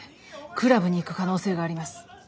クラブに行く可能性があります。